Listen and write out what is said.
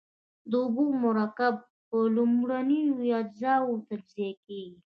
د اوبو مرکب په لومړنیو اجزاوو تجزیه کیږي.